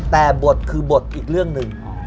แต่บทคือบทอีกเรื่องหนึ่ง